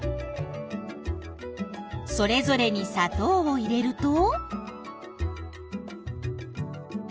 それぞれにさとうを入れると？